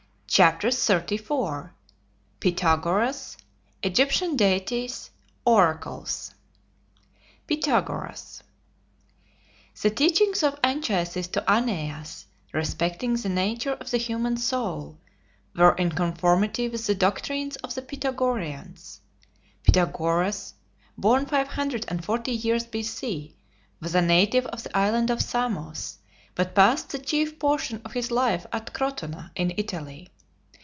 CHAPTER XXXIV PYTHAGORAS EGYPTIAN DEITIES ORACLES PYTHAGORAS The teachings of Anchises to Aeneas, respecting the nature of the human soul, were in conformity with the doctrines of the Pythagoreans. Pythagoras (born five hundred and forty years B.C.) was a native of the island of Samos, but passed the chief portion of his life at Crotona in Italy.